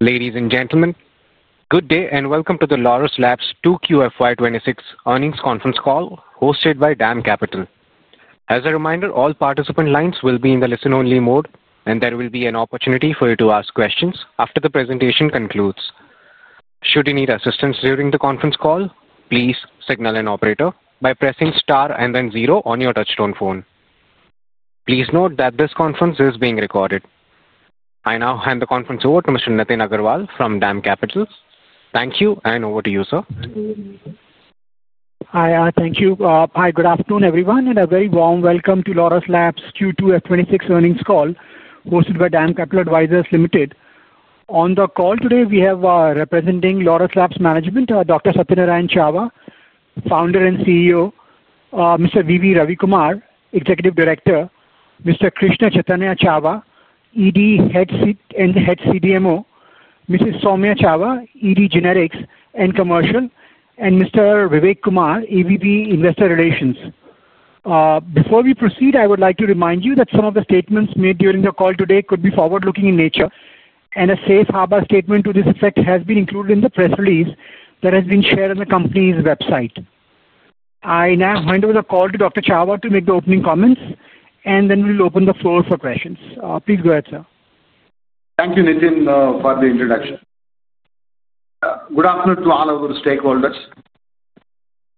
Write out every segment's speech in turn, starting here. Ladies and gentlemen, good day and welcome to the Laurus Labs 2Q FY 2026 earnings conference call hosted by DAM Capital. As a reminder, all participant lines will be in the listen-only mode, and there will be an opportunity for you to ask questions after the presentation concludes. Should you need assistance during the conference call, please signal an operator by pressing star and then zero on your touch-tone phone. Please note that this conference is being recorded. I now hand the conference over to Mr. Nitin Agarwal from DAM Capital Advisors Limited. Thank you and over to you, sir. Hi, thank you. Hi, good afternoon everyone, and a very warm welcome to Laurus Labs Q2 FY 2026 earnings call hosted by DAM Capital Advisors Limited. On the call today, we have representing Laurus Labs Management, Dr. Satyanarayana Chava, Founder and CEO, Mr. V. V. Ravi Kumar, Executive Director, Mr. Krishna Chaitanya Chava, ED, Head CDMO, Mrs. Soumya Chava, ED, Generics and Commercial, and Mr. Vivek Kumar, AVP, Investor Relations. Before we proceed, I would like to remind you that some of the statements made during the call today could be forward-looking in nature, and a safe harbor statement to this effect has been included in the press release that has been shared on the company's website. I now hand over the call to Dr. Chava to make the opening comments, and then we'll open the floor for questions. Please go ahead, sir. Thank you, Nitin, for the introduction. Good afternoon to all of our stakeholders.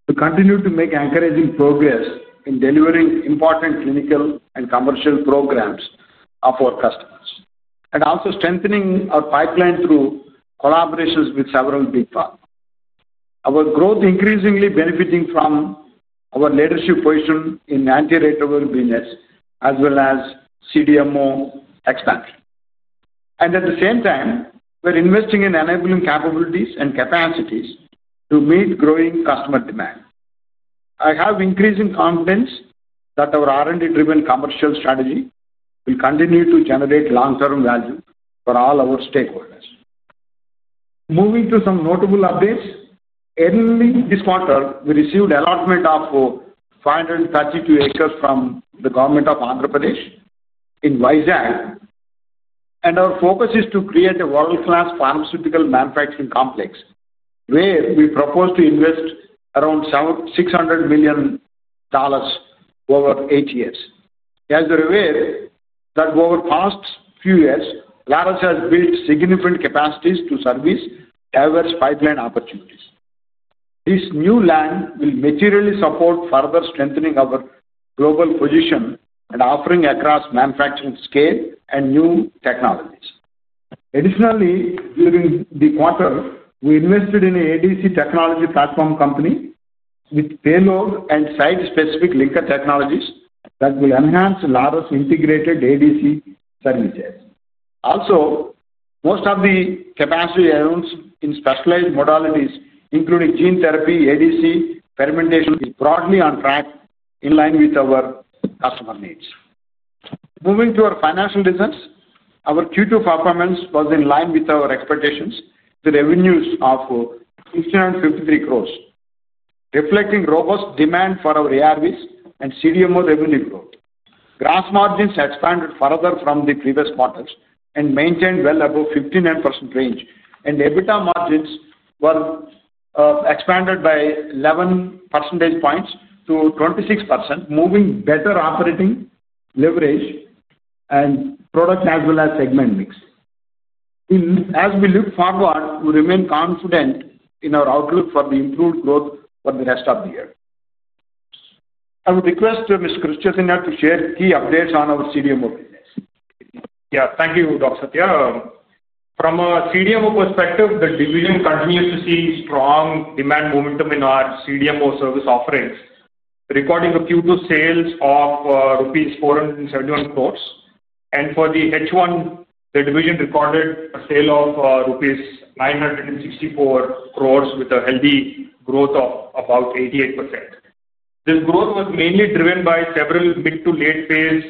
We continue to make encouraging progress in delivering important clinical and commercial programs for our customers and also strengthening our pipeline through collaborations with several big partners. Our growth is increasingly benefiting from our leadership position in antiretroviral ARVs as well as CDMO expansion. At the same time, we're investing in enabling capabilities and capacities to meet growing customer demand. I have increasing confidence that our R&D-driven commercial strategy will continue to generate long-term value for all our stakeholders. Moving to some notable updates, early this quarter, we received allotment of 532 acres from the Government of Andhra Pradesh in Vizag, and our focus is to create a world-class pharmaceutical manufacturing complex where we propose to invest around $600 million over eight years. As you're aware, over the past few years, Laurus Labs has built significant capacities to service diverse pipeline opportunities. This new land will materially support further strengthening our global position and offering across manufacturing scale and new technologies. Additionally, during the quarter, we invested in an ADC technology platform company with payload and site-specific linker technologies that will enhance Laurus integrated ADC services. Also, most of the capacity announced in specialized modalities, including gene therapy, ADC, and fermentation, is broadly on track in line with our customer needs. Moving to our financial results, our Q2 performance was in line with our expectations with revenues of 653 crore, reflecting robust demand for our ARVs and CDMO revenue growth. Gross margins expanded further from the previous quarters and maintained well above 15% range, and EBITDA margins were expanded by 11 percentage points to 26%, moving better operating leverage and product as well as segment mix. As we look forward, we remain confident in our outlook for the improved growth for the rest of the year. I would request Mr. Krishna Chaitanya to share key updates on our CDMO business. Yeah, thank you, Dr. Satya. From a CDMO perspective, the division continues to see strong demand momentum in our CDMO service offerings, recording a Q2 sales of rupees 471 crore. For the H1, the division recorded a sale of rupees 964 crore with a healthy growth of about 88%. This growth was mainly driven by several mid-to-late phase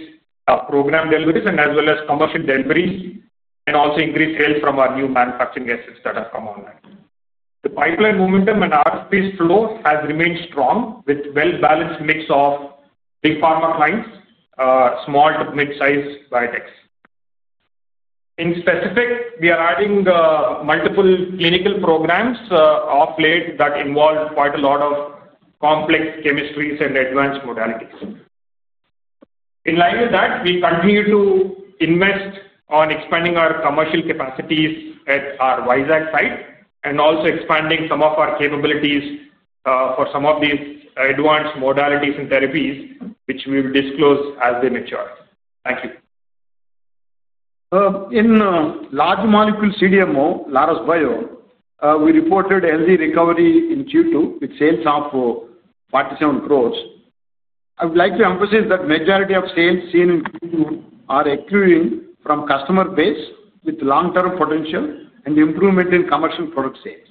program deliveries as well as commercial deliveries, and also increased sales from our new manufacturing assets that have come online. The pipeline momentum and RFP flow has remained strong with a well-balanced mix of big pharma clients and small to mid-sized biotechs. In specific, we are adding multiple clinical programs off late that involve quite a lot of complex chemistries and advanced modalities. In line with that, we continue to invest on expanding our commercial capacities at our [Vizag] site and also expanding some of our capabilities for some of these advanced modalities and therapies, which we will disclose as they mature. Thank you. In large molecule CDMO, Laurus Bio, we reported a healthy recovery in Q2 with sales of 47 crore. I would like to emphasize that the majority of sales seen in Q2 are accruing from customer base with long-term potential and improvement in commercial product sales.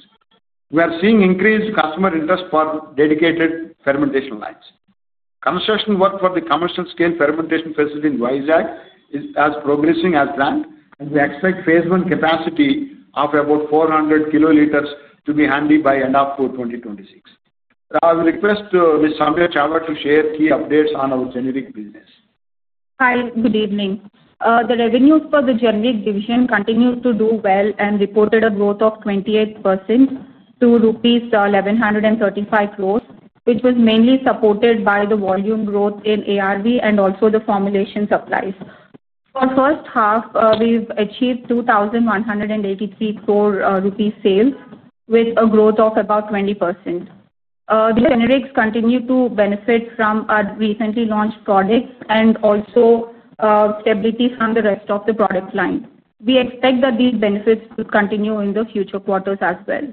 We are seeing increased customer interest for dedicated fermentation lines. Construction work for the commercial scale fermentation facility in [Vizag] is progressing as planned, and we expect phase one capacity of about 400 kL to be handy by end of 2026. I will request Ms. Soumya Chava to share key updates on our generic business. Hi, good evening. The revenues for the generic division continue to do well and reported a growth of 28% to rupees 1,135 crore, which was mainly supported by the volume growth in ARV and also the formulation supplies. For the first half, we've achieved 2,183 crore rupees sales with a growth of about 20%. The generics continue to benefit from our recently launched products and also stability from the rest of the product line. We expect that these benefits will continue in the future quarters as well.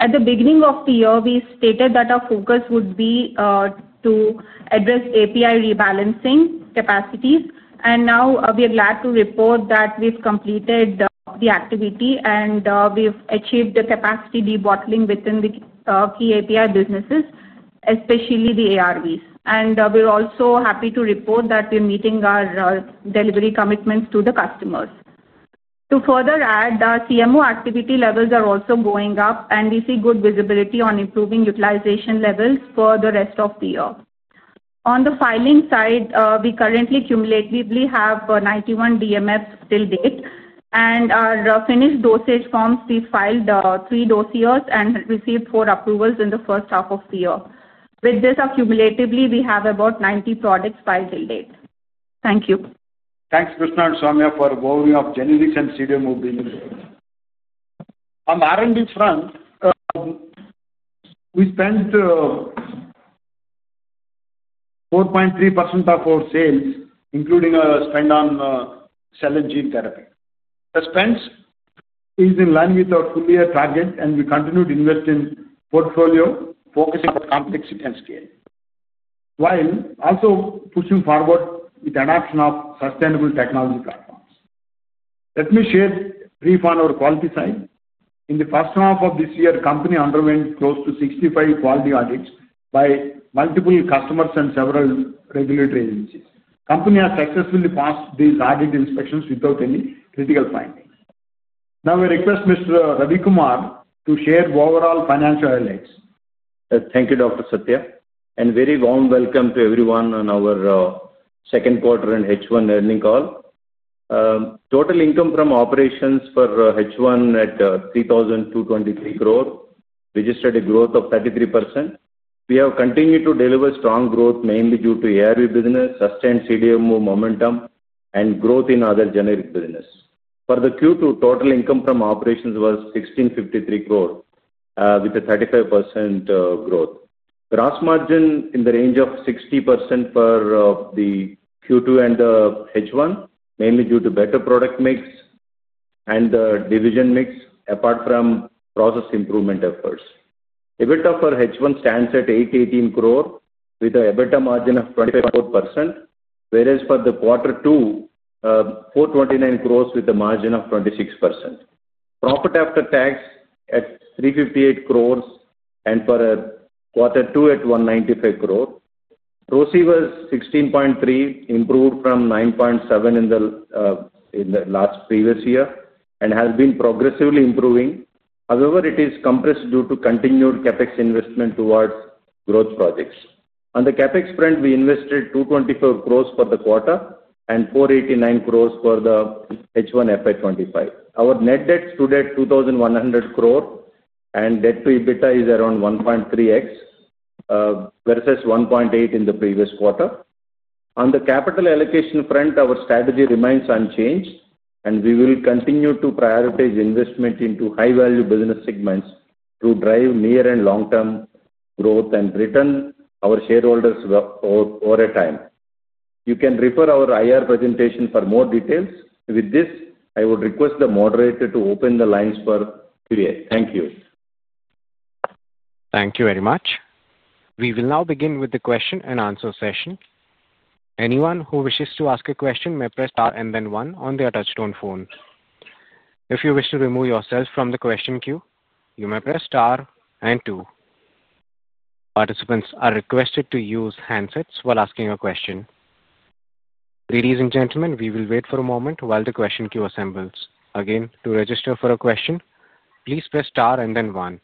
At the beginning of the year, we stated that our focus would be to address API rebalancing capacities, and now we are glad to report that we've completed the activity and we've achieved the capacity de-bottlenecking within the key API businesses, especially the ARVs. We are also happy to report that we're meeting our delivery commitments to the customers. To further add, the CMO activity levels are also going up, and we see good visibility on improving utilization levels for the rest of the year. On the filing side, we currently cumulatively have 91 DMFs till date, and for our finished dosage forms we filed three dossiers and received four approvals in the first half of the year. With this, cumulatively, we have about 90 products filed till date. Thank you. Thanks, Krishna and Soumya, for the overview of generics and CDMO business. From R&D front, we spent 4.3% of our sales, including a spend on cell and gene therapy. The spend is in line with our two-year target, and we continued to invest in portfolio, focusing on complexity and scale, while also pushing forward with the adoption of sustainable technology platforms. Let me share a brief on our quality side. In the first half of this year, the company underwent close to 65 quality audits by multiple customers and several regulatory agencies. The company has successfully passed these audit inspections without any critical findings. Now, I request Mr. Ravi Kumar to share overall financial highlights. Thank you, Dr. Satya, and a very warm welcome to everyone on our second quarter and H1 earnings call. Total income from operations for H1 at 3,223 crore registered a growth of 33%. We have continued to deliver strong growth, mainly due to ARV business, sustained CDMO momentum, and growth in other generic business. For Q2, total income from operations was 1,653 crore, with a 35% growth. Gross margin in the range of 60% for Q2 and H1, mainly due to better product mix and the division mix apart from process improvement efforts. EBITDA for H1 stands at 818 crore, with an EBITDA margin of 24%, whereas for quarter two, 429 crore with a margin of 26%. Profit after tax at 358 crore, and for quarter two at 195 crore. Gross was 16.3%, improved from 9.7% in the last previous year, and has been progressively improving. However, it is compressed due to continued CapEx investment towards growth projects. On the CapEx front, we invested 224 crore for the quarter and 489 crore for H1 FY 2025. Our net debt stood at 2,100 crore, and debt/EBITDA is around 1.3x versus 1.8x in the previous quarter. On the capital allocation front, our strategy remains unchanged, and we will continue to prioritize investment into high-value business segments to drive near and long-term growth and return our shareholders over time. You can refer to our IR presentation for more details. With this, I would request the moderator to open the lines for Q&A. Thank you. Thank you very much. We will now begin with the question and answer session. Anyone who wishes to ask a question may press star and then one on their touchstone phone. If you wish to remove yourself from the question queue, you may press star and two. Participants are requested to use handsets while asking a question. Ladies and gentlemen, we will wait for a moment while the question queue assembles. Again, to register for a question, please press star and then one.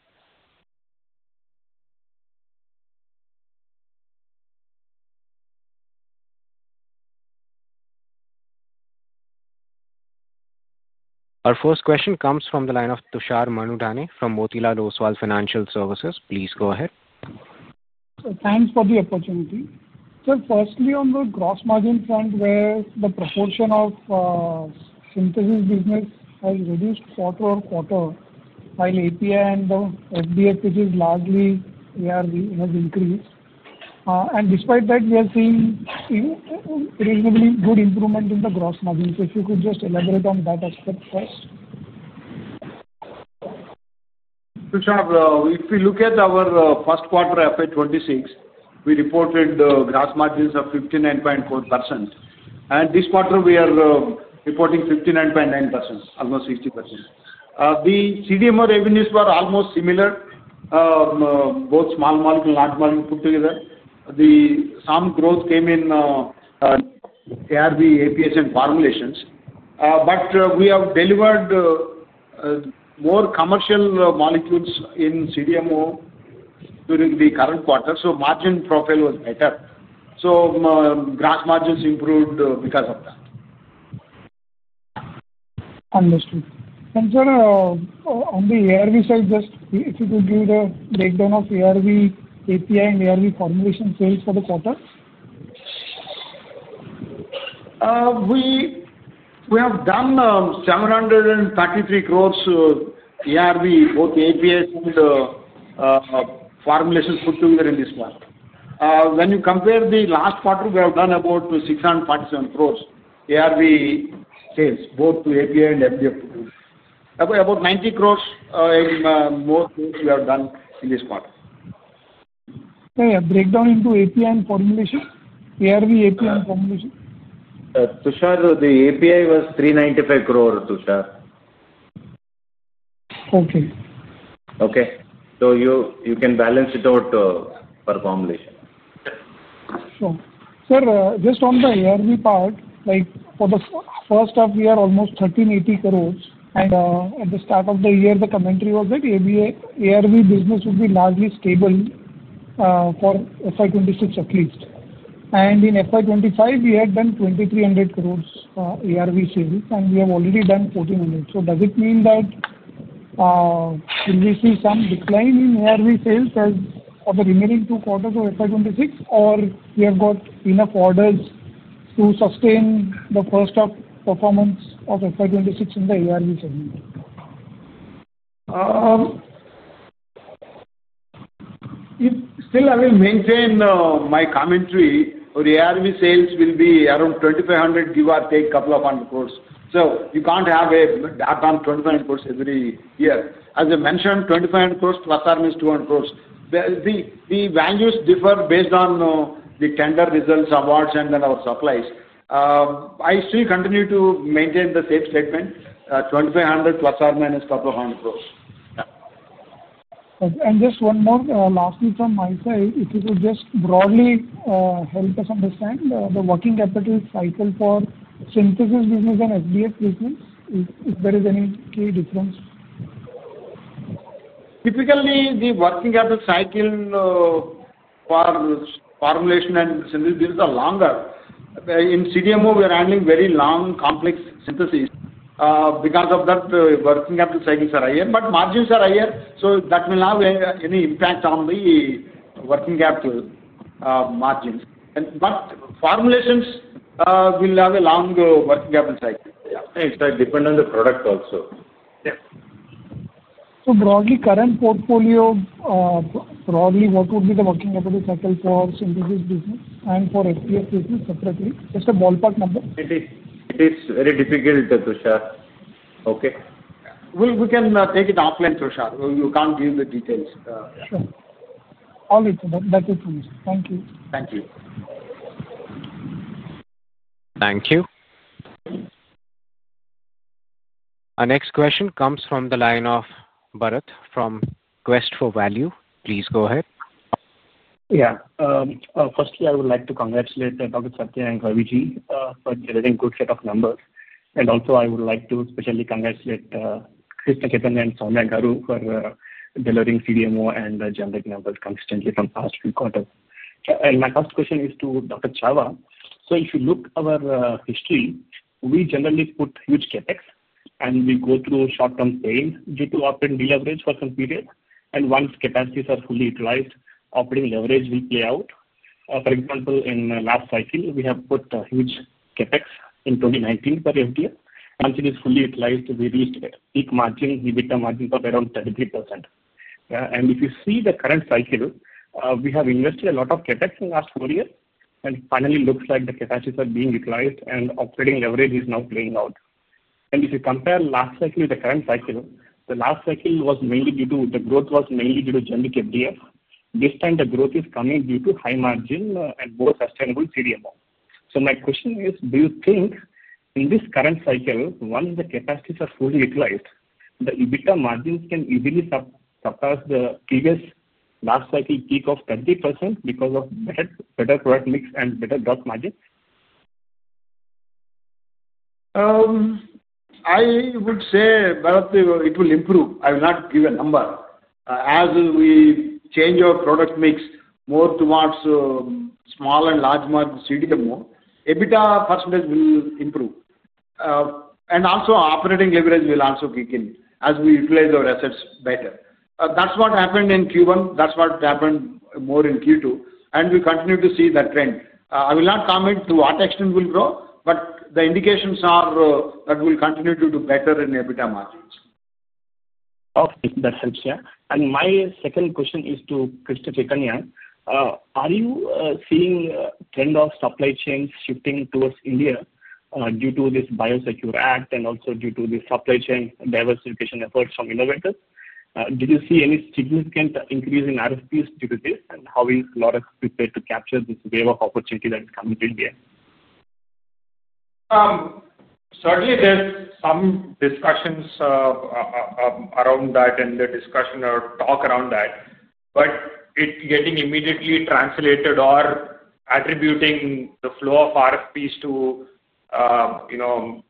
Our first question comes from the line of Tushar Manudhane from Motilal Oswal Financial Services. Please go ahead. Thanks for the opportunity. Firstly, on the gross margin front, where the proportion of synthesis business has reduced quarter over quarter, while API and the FDF, which is largely ARV, has increased. Despite that, we are seeing reasonably good improvement in the gross margins. If you could just elaborate on that aspect first. If we look at our first quarter FY 2026, we reported gross margins of 59.4%. This quarter, we are reporting 59.9%, almost 60%. The CDMO revenues were almost similar, both small molecule and large molecule put together. Some growth came in ARV, APS, and formulations. We have delivered more commercial molecules in CDMO during the current quarter, so margin profile was better. Gross margins improved because of that. Understood. Sir, on the ARV side, just if you could give the breakdown of ARV API and ARV formulation sales for the quarter. We have done 733 crore ARV, both API and formulations put together in this quarter. When you compare the last quarter, we have done about 647 crore ARV sales, both API and FDF put together. About 90 crore more sales we have done in this quarter. Sorry, a breakdown into API and formulation, ARV, API, and formulation. Tushar, the API was 395 crore, Tushar. Okay. Okay, you can balance it out for formulation. Sure. Sir, just on the ARV part, like for the first half, we are almost 1,380 crore. At the start of the year, the commentary was that ARV business would be largely stable for FY 2026 at least. In FY 2025, we had done 2,300 crore ARV sales, and we have already done 1,400 crore. Does it mean that we'll see some decline in ARV sales as of the remaining two quarters of FY 2026, or we have got enough orders to sustain the first half performance of FY 2026 in the ARV segment? Still, I will maintain my commentary. Our ARV sales will be around 2,500 crore, give or take a couple of hundred crore. You can't have a dark on 2,500 crore every year. As I mentioned, 2,500 crore plus RM is 200 crore. The values differ based on the tender results, awards, and then our supplies. I still continue to maintain the same statement, 2,500 crore plus RM is a couple of hundred crore. Could you just broadly help us understand the working capital cycle for synthesis business and FDF business, if there is any key difference? Typically, the working capital cycle for formulation and synthesis business is longer. In CDMO, we are handling very long complex syntheses. Because of that, the working capital cycles are higher, but margins are higher, so that will not have any impact on the working capital margins. Formulations will have a long working capital cycle. It depends on the product also. Broadly, current portfolio, what would be the working capital cycle for synthesis business and for FDF business separately? Just a ballpark number. It is very difficult, Tushar. Okay. We can take it offline, Tushar. You can't give the details. Sure. All right. That is fine. Thank you. Thank you. Thank you. Our next question comes from the line of Bharat from Quest for Value. Please go ahead. Yeah. Firstly, I would like to congratulate Dr. Satya and V. V. Ravi Kumar for delivering a good set of numbers. I would also like to especially congratulate Krishna Chaitanya and Soumya Chava for delivering CDMO and generic numbers consistently from the past few quarters. My first question is to Dr. Chava. If you look at our history, we generally put huge CapEx, and we go through short-term pain due to operating leverage for some period. Once capacities are fully utilized, operating leverage will play out. For example, in the last cycle, we put huge CapEx in 2019 for FDF. Once it is fully utilized, we reached peak margin, EBITDA margin of around 33%. If you see the current cycle, we have invested a lot of CapEx in the last four years, and finally, it looks like the capacities are being utilized and operating leverage is now playing out. If you compare last cycle with the current cycle, the last cycle was mainly due to the growth was mainly due to generic FDF. This time, the growth is coming due to high margin and more sustainable CDMO. My question is, do you think in this current cycle, once the capacities are fully utilized, the EBITDA margins can easily surpass the previous last cycle peak of 30% because of better product mix and better gross margins? I would say it will improve. I will not give a number. As we change our product mix more towards small and large market CDMO, EBITDA percent will improve. Also, operating leverage will kick in as we utilize our assets better. That's what happened in Q1, and that's what happened more in Q2. We continue to see that trend. I will not comment to what extent it will grow, but the indications are that we will continue to do better in EBITDA margins. Okay. That's helpful. My second question is to Krishna Chaitanya. Are you seeing a trend of supply chains shifting towards India due to this BIOSECURE Act and also due to the supply chain diversification efforts from innovators? Did you see any significant increase in RFPs due to this? How is Laurus prepared to capture this wave of opportunity that is coming to India? Certainly, there's some discussions around that and the discussion or talk around that. Getting immediately translated or attributing the flow of RFPs to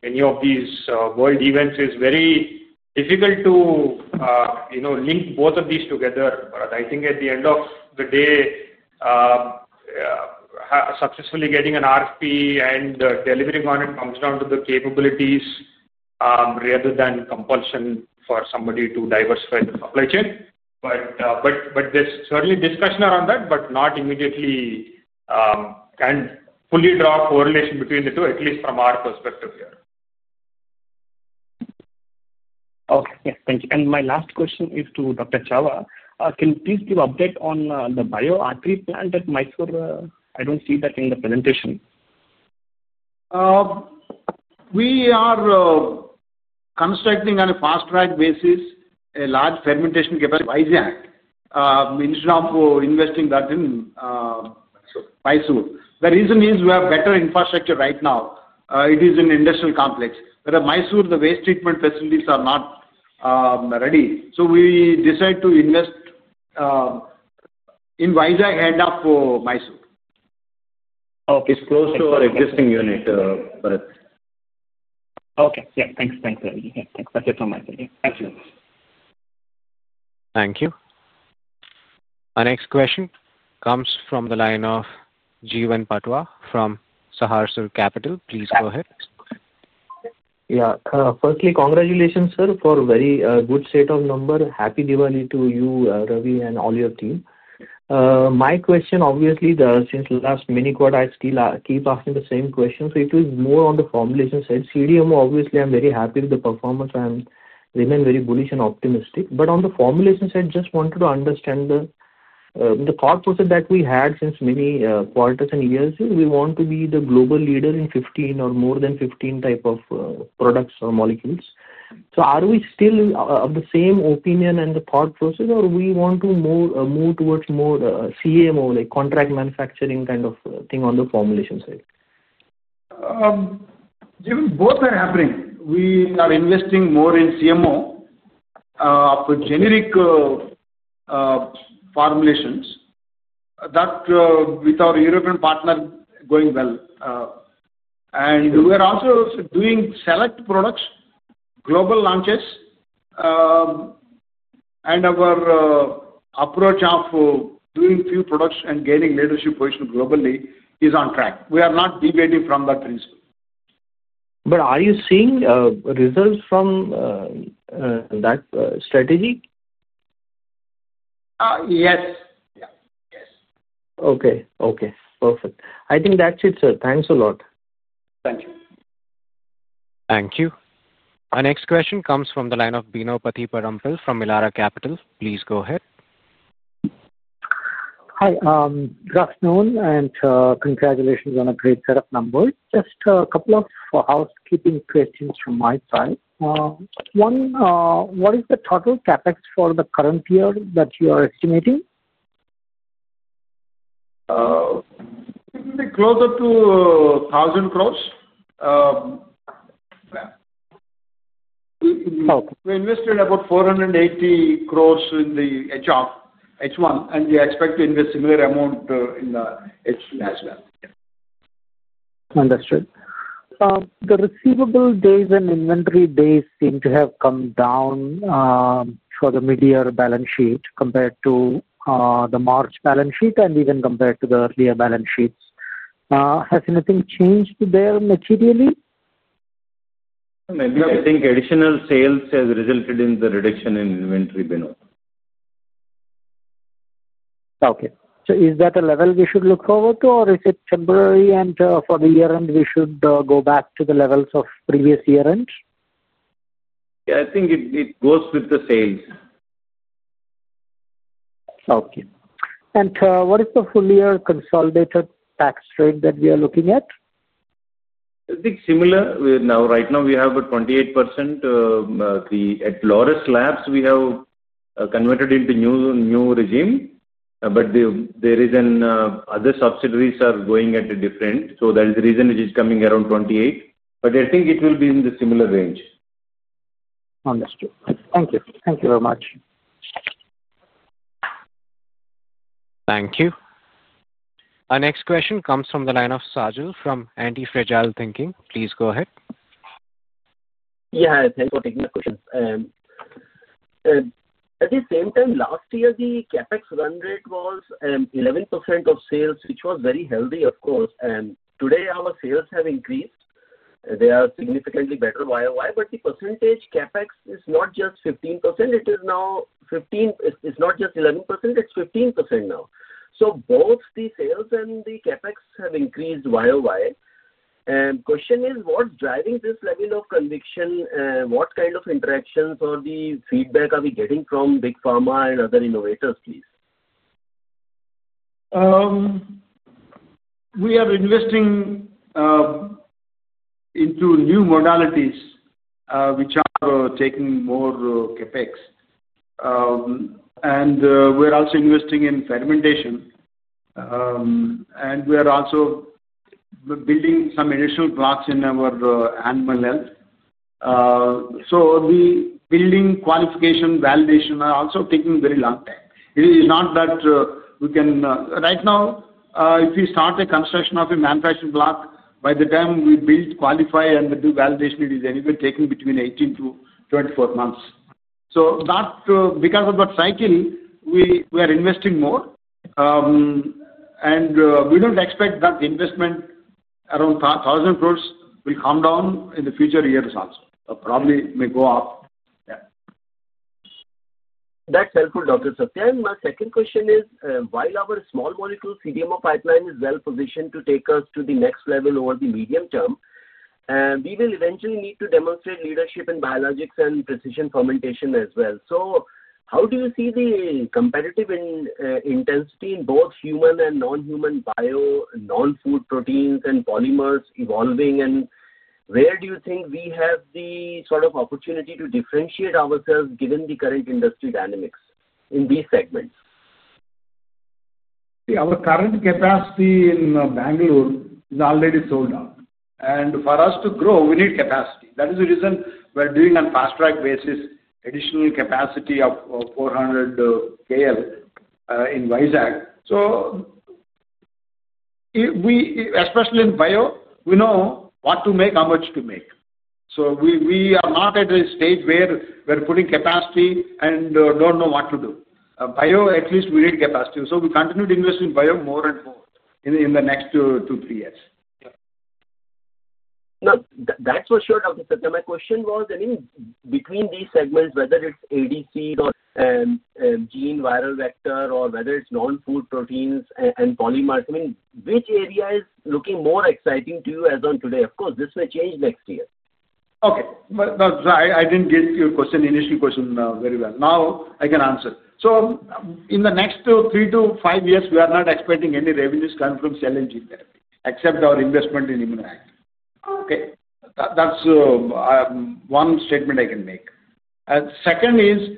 any of these world events is very difficult to link both of these together. I think at the end of the day, successfully getting an RFP and delivering on it comes down to the capabilities rather than compulsion for somebody to diversify the supply chain. There's certainly discussion around that, but not immediately can fully draw a correlation between the two, at least from our perspective here. Okay. Yes. Thank you. My last question is to Dr. Chava. Can you please give an update on the bio-artery plant at Mysore? I don't see that in the presentation. We are constructing on a fast-track basis a large fermentation capacity at Vizag instead of investing that in Mysore. The reason is we have better infrastructure right now. It is an industrial complex. Whereas Mysore, the waste treatment facilities are not ready. We decided to invest in Vizag ahead of Mysore. It's close to our existing unit, Bharat. Okay. Thanks, Ravi. Thanks. That's it from my side. Thank you. Thank you. Our next question comes from the line of Jeevan Patwa from Sahasrar Capital. Please go ahead. Yeah. Firstly, congratulations, sir, for a very good set of numbers. Happy Diwali to you, Ravi, and all your team. My question, obviously, since last mini quad, I still keep asking the same question. It was more on the formulation side. CDMO, obviously, I'm very happy with the performance. I am remaining very bullish and optimistic. On the formulation side, I just wanted to understand the thought process that we had since many quarters and years. We want to be the global leader in 15 or more than 15 type of products or molecules. Are we still of the same opinion and the thought process, or do we want to move towards more CMO, like contract manufacturing kind of thing on the formulation side? Both are happening. We are investing more in CMO for generic formulations with our European partner going well. We are also doing select products, global launches, and our approach of doing few products and gaining leadership position globally is on track. We are not deviating from that principle. Are you seeing results from that strategy? Yes, yeah, yes. Okay. Perfect. I think that's it, sir. Thanks a lot. Thank you. Thank you. Our next question comes from the line of Bino Pathiparampil from Elara Capital. Please go ahead. Hi. Good afternoon and congratulations on a great set of numbers. Just a couple of housekeeping questions from my side. One, what is the total CapEx for the current year that you are estimating? It's closer to 1,000 crore. We invested about 480 crore in the H1, and we expect to invest a similar amount in the H2 as well. Understood. The receivable days and inventory days seem to have come down for the mid-year balance sheet compared to the March balance sheet and even compared to the earlier balance sheets. Has anything changed there materially? No, I think additional sales have resulted in the reduction in inventory bin. Okay. Is that a level we should look forward to, or is it temporary, and for the year-end should we go back to the levels of previous year-end? Yeah, I think it goes with the sales. Okay. What is the full-year consolidated tax rate that we are looking at? I think similar. Right now, we have a 28%. At Laurus Labs, we have converted into a new regime, but there is another subsidiaries are going at a different. That is the reason it is coming around 28%. I think it will be in the similar range. Understood. Thank you. Thank you very much. Thank you. Our next question comes from the line of Sajal from Antifragile Thinking. Please go ahead. Yeah, thanks for taking my questions. At the same time, last year, the CapEx run rate was 11% of sales, which was very healthy, of course. Today, our sales have increased. They are significantly better YoY. The percentage CapEx is not just 11%. It's 15% now. Both the sales and the CapEx have increased YoY. The question is, what's driving this level of conviction? What kind of interactions or the feedback are we getting from big pharma and other innovators, please? We are investing into new modalities, which are taking more CapEx. We're also investing in fermentation, and we are also building some initial blocks in our animal health. The building qualification validation is also taking a very long time. It is not that we can right now, if we start the construction of a manufacturing block, by the time we build, qualify, and do validation, it is anywhere taking between 18-24 months. Because of that cycle, we are investing more. We don't expect that the investment around 1,000 crore will come down in the future years also. Probably may go up. Yeah. That's helpful, Dr. Satya. My second question is, while our small molecule CDMO pipeline is well positioned to take us to the next level over the medium term, we will eventually need to demonstrate leadership in biologics and precision fermentation as well. How do you see the competitive intensity in both human and non-human bio, non-food proteins, and polymers evolving? Where do you think we have the sort of opportunity to differentiate ourselves given the current industry dynamics in these segments? Our current capacity in Bangalore is already sold out. For us to grow, we need capacity. That is the reason we're doing, on a fast-track basis, additional capacity of 400 kL in Vizag. Especially in bio, we know what to make, how much to make. We are not at a stage where we're putting capacity and don't know what to do. In bio, at least, we need capacity. We continue to invest in bio more and more in the next two, three years. That's for sure, Dr. Satya. My question was, I mean, between these segments, whether it's ADC or gene viral vector, or whether it's non-food proteins and polymers, I mean, which area is looking more exciting to you as on today? Of course, this may change next year. Okay. No, I didn't get your initial question very well. Now I can answer. In the next three to five years, we are not expecting any revenues coming from cell and gene therapy, except our investment in ImmunoACT. That's one statement I can make. The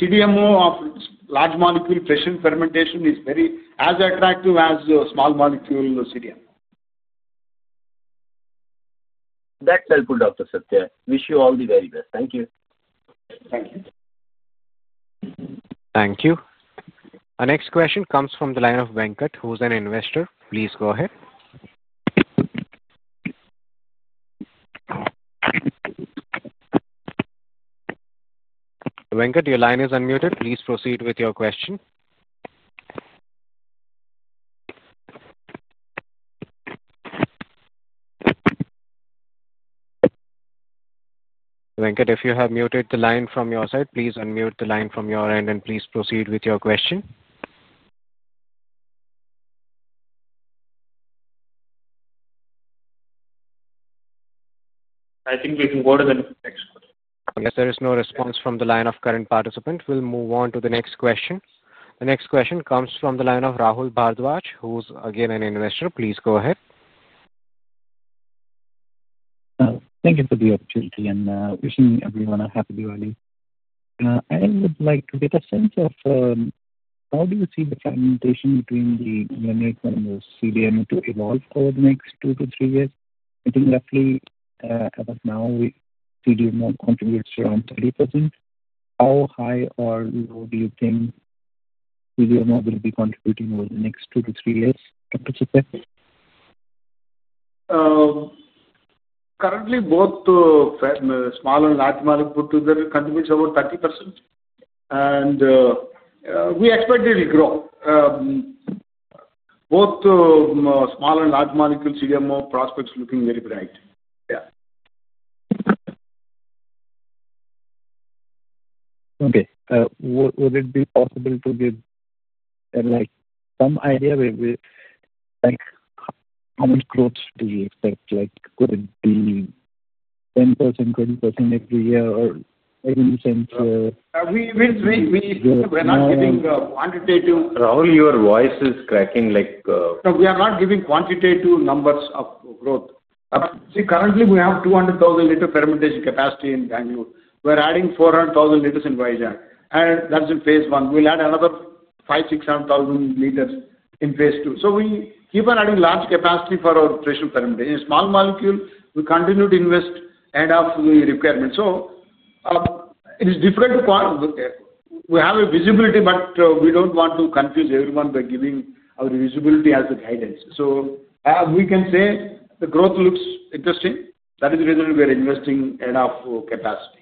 CDMO of large molecule, especially fermentation, is very as attractive as small molecule CDMO. That's helpful, Dr. Satya. Wish you all the very best. Thank you. Thank you. Thank you. Our next question comes from the line of Venkat, who's an investor. Please go ahead. Venkat, your line is unmuted. Please proceed with your question. Venkat, if you have muted the line from your side, please unmute the line from your end and please proceed with your question. I think we can go to the next question. Unless there is no response from the line of current participants, we'll move on to the next question. The next question comes from the line of Rahul Bhardwaj, who's again an investor. Please go ahead. Thank you for the opportunity and wishing everyone a happy Diwali. I would like to get a sense of how do you see the fragmentation between the generic and the CDMO to evolve over the next two to three years? I think roughly as of now, CDMO contributes around 30%. How high or low do you think CDMO will be contributing over the next two to three years, Dr. Satya? Currently, both small and large molecule contributes about 30%. We expect it will grow. Both small and large molecule CDMO prospects are looking very bright. Yeah. Okay. Would it be possible to give like some idea of how much growth do you expect? Like could it be 10%, 20% every year, or even since? We're not giving quantitative. Rahul, your voice is cracking. We are not giving quantitative numbers of growth. See, currently, we have 200,000 L fermentation capacity in Bangalore. We're adding 400,000 L in Vizag, and that's in phase one. We'll add another 500,000 L-600,000 L in phase two. We keep on adding large capacity for our freshened fermentation. Small molecule, we continue to invest enough requirements. It is difficult to say we have a visibility, but we don't want to confuse everyone by giving our visibility as a guidance. We can say the growth looks interesting. That is the reason we are investing enough capacity.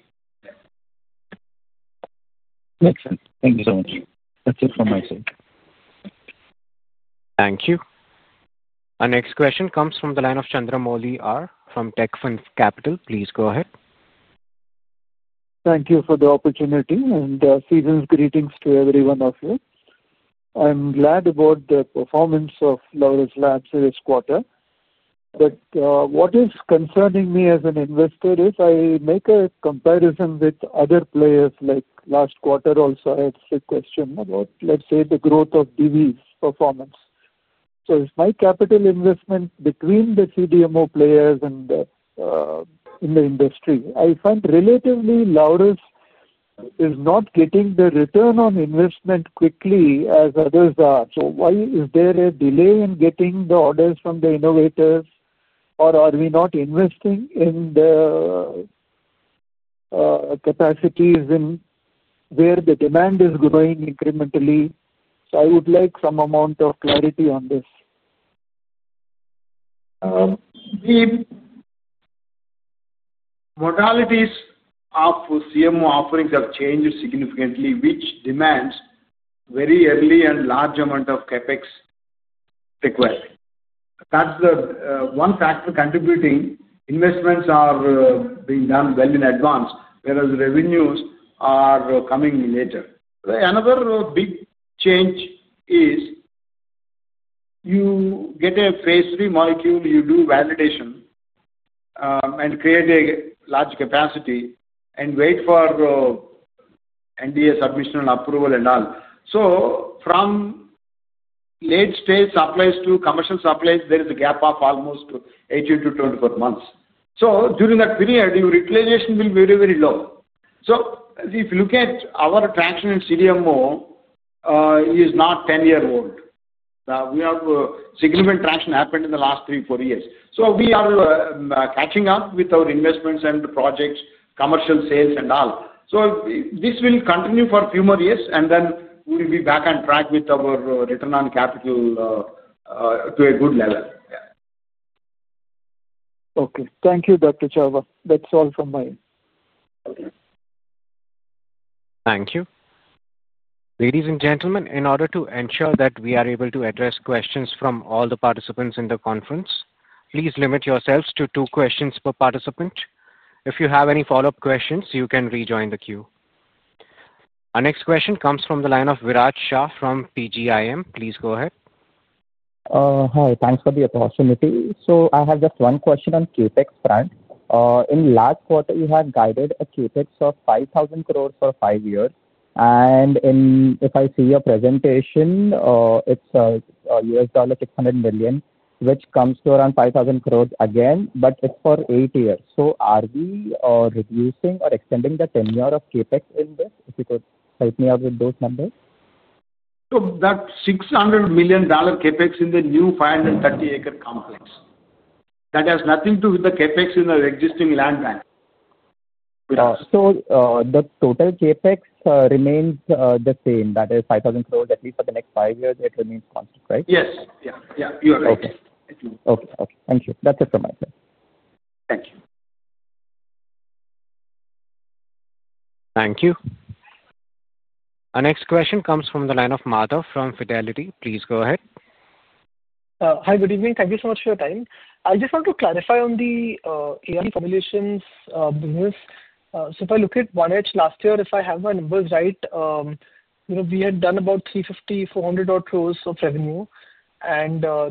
Makes sense. Thank you so much. That's it from my side. Thank you. Our next question comes from the line of Chandra Moliar from TechFund Capital. Please go ahead. Thank you for the opportunity and season's greetings to every one of you. I'm glad about the performance of Laurus Labs this quarter. What is concerning me as an investor is I make a comparison with other players. Like last quarter also, I had a question about, let's say, the growth of DV's performance. It's my capital investment between the CDMO players in the industry. I find relatively Laurus is not getting the return on investment quickly as others are. Why is there a delay in getting the orders from the innovators, or are we not investing in the capacities where the demand is growing incrementally? I would like some amount of clarity on this. The modalities of CMO offerings have changed significantly, which demands a very early and large amount of CapEx required. That's the one factor contributing. Investments are being done well in advance, whereas revenues are coming later. Another big change is you get a phase three molecule, you do validation, and create a large capacity and wait for NDA submission and approval and all. From late stage supplies to commercial supplies, there is a gap of almost 18-24 months. During that period, your utilization will be very, very low. If you look at our traction in CDMO, it is not 10-year old. We have a significant traction happened in the last three, four years. We are catching up with our investments and the projects, commercial sales, and all. This will continue for a few more years, and then we'll be back on track with our return on capital to a good level. Okay. Thank you, Dr. Chava. That's all from my end. Thank you. Ladies and gentlemen, in order to ensure that we are able to address questions from all the participants in the conference, please limit yourselves to two questions per participant. If you have any follow-up questions, you can rejoin the queue. Our next question comes from the line of Viraj Shah from PGIM. Please go ahead. Hi. Thanks for the opportunity. I have just one question on CapEx. In the last quarter, you have guided a CapEx of 5,000 crore for five years. If I see your presentation, it's $600 million, which comes to around 5,000 crore again, but it's for eight years. Are we reducing or extending the tenure of CapEx in this? If you could help me out with those numbers. That's $600 million CapEx in the new 530-acre complex. That has nothing to do with the CapEx in the existing land bank. The total CapEx remains the same. That is 5,000 crore at least for the next five years. It remains constant, right? Yes, you are right. Okay. Thank you. That's it from my side. Thank you. Thank you. Our next question comes from the line of Marta from Fidelity. Please go ahead. Hi. Good evening. Thank you so much for your time. I just want to clarify on the API formulations business. If I look at one edge last year, if I have my numbers right, we had done about 350-400 crore of revenue.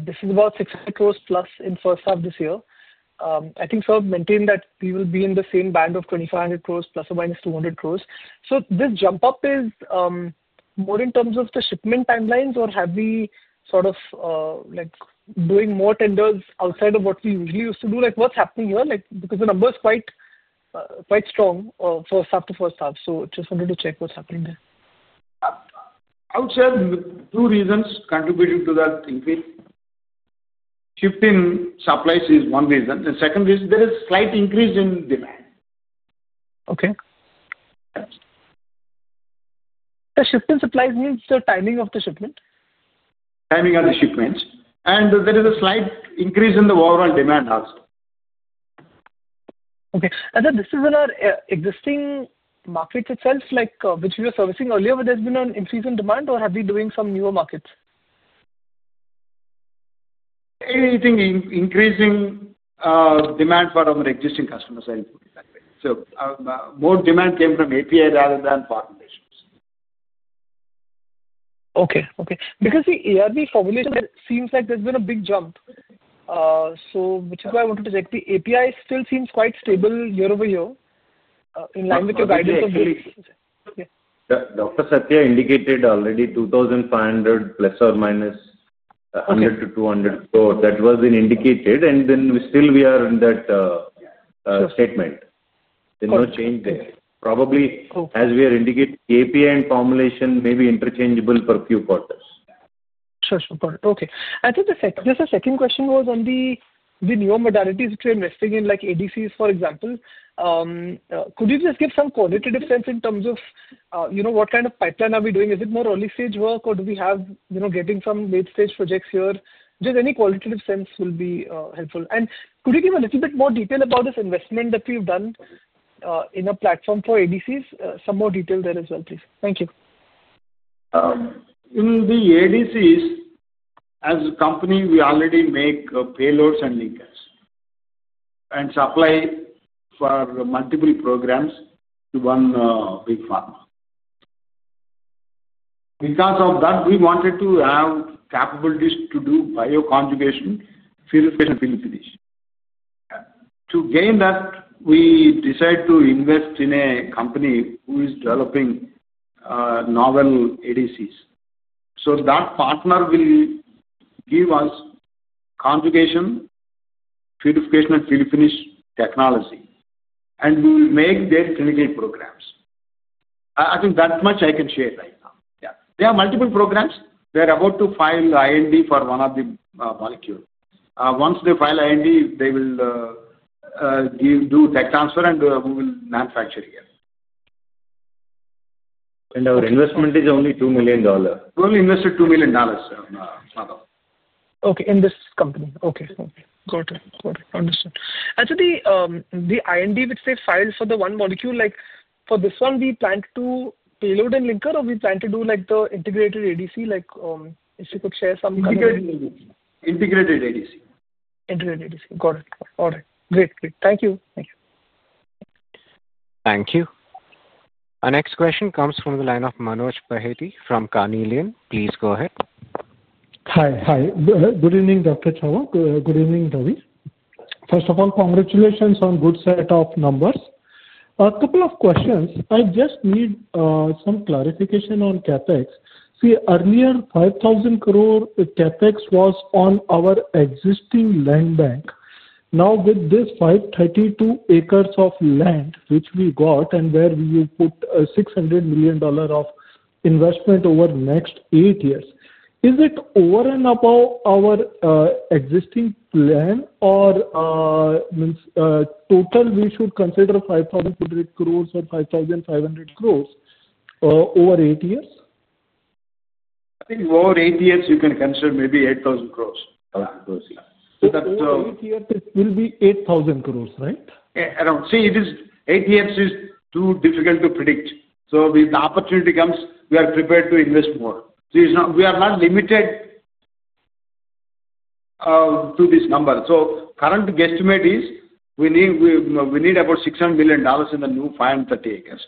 This is about 600+ crore in the first half this year. I think sir maintained that we will be in the same band of 2,500 crore ± 200 crore. Is this jump up more in terms of the shipment timelines, or have we been doing more tenders outside of what we usually used to do? What's happening here? The number is quite strong first half to first half. I just wanted to check what's happening there. I would say two reasons contributing to that increase. Shift in supplies is one reason. The second reason, there is a slight increase in demand. Okay, the shift in supplies means the timing of the shipment. Timing of the shipments. There is a slight increase in the overall demand also. Okay. Is this in our existing markets itself, like which we were servicing earlier, where there's been an increase in demand, or have we been doing some newer markets? Anything increasing demand for our existing customers are important. Exactly, more demand came from API rather than formulations. Okay. Because the ARV formulation seems like there's been a big jump, which is why I wanted to check. The API still seems quite stable year over year, in line with your guidance. Dr. Satya indicated already 2,500 ± 100-200 crores. That was indicated. We still are in that statement. There's no change there. Probably, as we are indicating, the API and formulation may be interchangeable for a few quarters. Sure. Got it. Okay. I think the second question was on the newer modalities which we're investing in, like ADCs, for example. Could you just give some qualitative sense in terms of what kind of pipeline are we doing? Is it more early-stage work, or do we have getting some late-stage projects here? Just any qualitative sense will be helpful. Could you give a little bit more detail about this investment that we've done in a platform for ADCs? Some more detail there as well, please. Thank you. In the ADCs, as a company, we already make payloads and linkers and supply for multiple programs to one big pharma. Because of that, we wanted to have capabilities to do bioconjugation, purification, and filling finish. To gain that, we decided to invest in a company who is developing novel ADCs. That partner will give us conjugation, purification, and filling finish technology, and we will make their clinical programs. I think that much I can share right now. Yeah. They have multiple programs. They're about to file IND for one of the molecules. Once they file IND, they will do tech transfer, and we will manufacture here. Our investment is only $2 million. We only invested $2 million, sir. Okay. In this company. Got it. Understood. I think the IND, which they filed for the one molecule, like for this one, we plan to do payload and linker, or we plan to do like the integrated ADC. If you could share some kind of. Integrated ADC. Integrated ADC. Got it. Got it. Great. Great. Thank you. Thank you. Thank you. Our next question comes from the line of Manoj Bahety from Carnelian. Please go ahead. Hi. Good evening, Dr. Chava. Good evening, Ravi. First of all, congratulations on a good set of numbers. A couple of questions. I just need some clarification on CapEx. Earlier, 5,000 crore CapEx was on our existing land bank. Now, with this 532 acres of land, which we got and where we have put a $600 million investment over the next eight years, is it over and above our existing plan, or does it mean total we should consider 5,200 crores or 5,500 crores over eight years? I think over eight years, you can consider maybe 8,000 crore. Over eight years, it will be 8,000 crore, right? Yeah. Around. Eight years is too difficult to predict. If the opportunity comes, we are prepared to invest more. We are not limited to this number. Current guesstimate is we need about $600 million in the new 530 acres.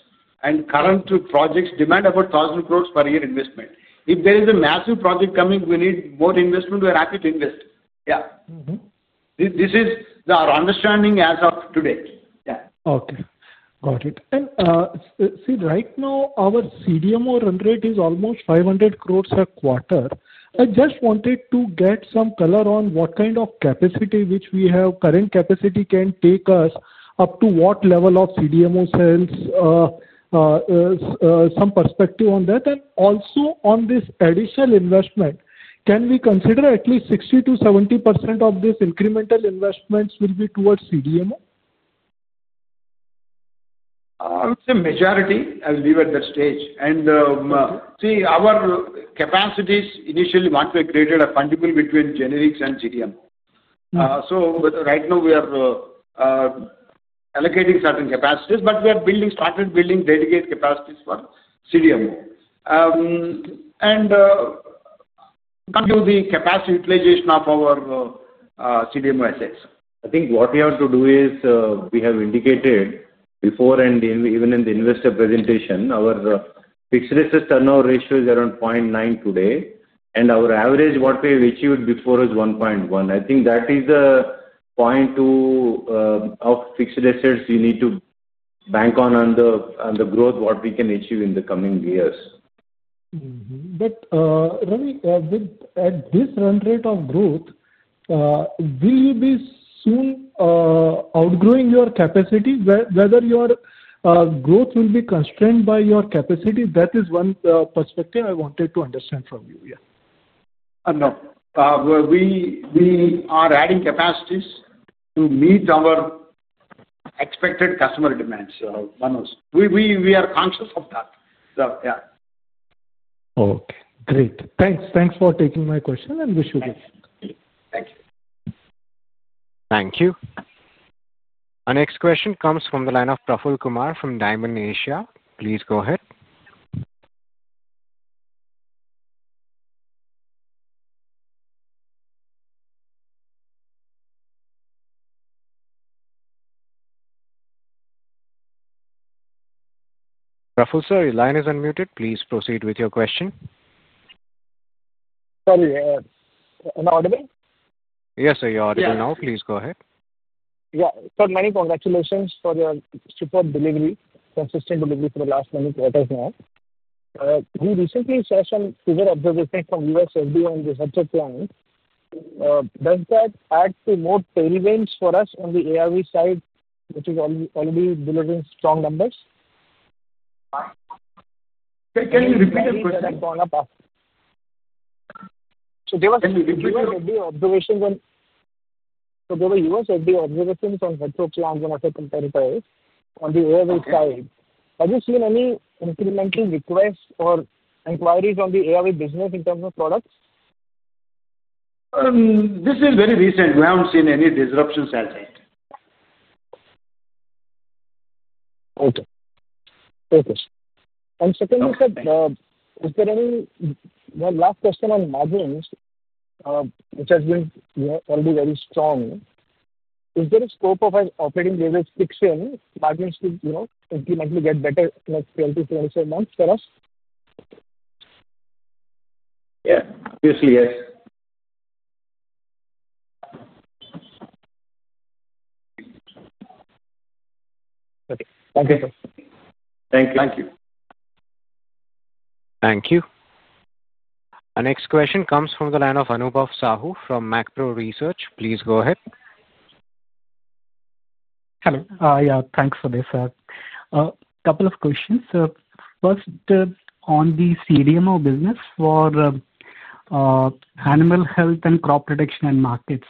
Current projects demand about 1,000 crore per year investment. If there is a massive project coming, we need more investment. We're happy to invest. This is our understanding as of today. Yeah. Okay. Got it. Right now, our CDMO run rate is almost 500 crore per quarter. I just wanted to get some color on what kind of capacity we have, current capacity can take us up to what level of CDMO sales, some perspective on that. Also, on this additional investment, can we consider at least 60%-70% of this incremental investment will be towards CDMO? I would say majority, I will leave at that stage. Our capacities initially once we created a fundable between generics and CDMO. Right now, we are allocating certain capacities, but we are starting building dedicated capacities for CDMO and the capacity utilization of our CDMO assets. I think what we have to do is, we have indicated before, and even in the investor presentation, our fixed assets turnover ratio is around 0.9 today. Our average, what we have achieved before, is 1.1. I think that is the point to fixed assets you need to bank on, on the growth, what we can achieve in the coming years. Ravi, at this run rate of growth, will you be soon outgrowing your capacity? Whether your growth will be constrained by your capacity, that is one perspective I wanted to understand from you. Yeah. No. We are adding capacities to meet our expected customer demands. We are conscious of that. Yeah. Okay. Great. Thanks. Thanks for taking my question and wish you luck. Thank you. Thank you. Our next question comes from the line of Praful Kumar from Dymon Asia. Please go ahead. Praful, sir, your line is unmuted. Please proceed with your question. Sorry, is it audible? Yes, sir, you're audible now. Please go ahead. Yeah. Sir, many congratulations for your super delivery, consistent delivery for the last many quarters now. We recently saw some clear observations from U.S. FDA and the subject line. Does that add to more tailwinds for us on the ARV side, which is already delivering strong numbers? Can you repeat the question? There was a lot of US FDA observations on petroplants when I said compared to on the ARV side. Have you seen any incremental requests or inquiries on the ARV business in terms of products? This is very recent. We haven't seen any disruptions as yet. Okay. Is there any, one last question on margins, which has been already very strong. Is there a scope of an operating leverage fixed in margins to, you know, incrementally get better in the next 12-25 months for us? Yeah, obviously yes. Okay. Thank you, sir. Thank you. Thank you. Thank you. Our next question comes from the line of Anubhav Sahu from MCPro Research. Please go ahead. Hello. Yeah, thanks for this, sir. A couple of questions. First, on the CDMO business for animal health and crop protection markets.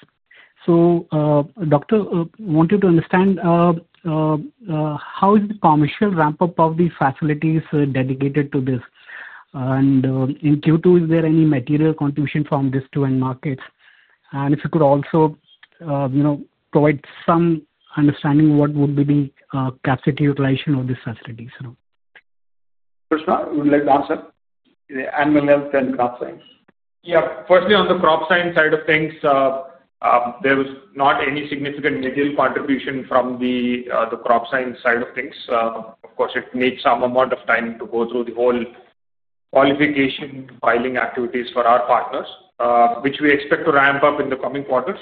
Doctor, I want to understand, how is the commercial ramp-up of the facilities dedicated to this? In Q2, is there any material contribution from this to end markets? If you could also provide some understanding of what would be the capacity utilization of these facilities. First of all, I would like to answer the animal health and crop science. Yeah. Firstly, on the crop science side of things, there was not any significant material contribution from the crop science side of things. Of course, it needs some amount of time to go through the whole qualification filing activities for our partners, which we expect to ramp up in the coming quarters.